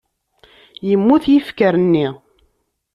Yemmut yifker-nni.